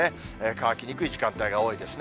乾きにくい時間帯が多いですね。